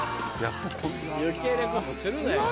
余計なことするなよ。